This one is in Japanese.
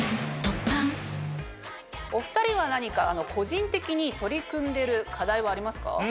お２人は何か個人的に取り組んでる課題はありますか？